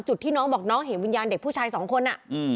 ที่น้องบอกน้องเห็นวิญญาณเด็กผู้ชายสองคน